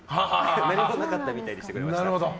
何もなかったみたいにしてくれました。